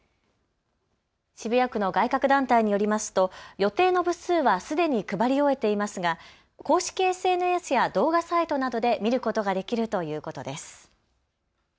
渋谷区の外郭団体によりますと予定の部数はすでに配り終えていますが公式ＳＮＳや動画サイトなどで見ることができるということです。